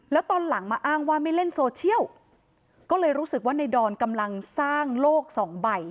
แล้วตอนหลังมาอ้างว่าไม่เล่นโซเชียลก็เลยรู้สึกว่าในดอนกำลังสร้างโลกสองใบ